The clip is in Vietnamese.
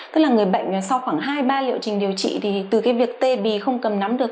tức là người bệnh sau khoảng hai ba liệu trình điều trị thì từ cái việc tê bì không cầm nắm được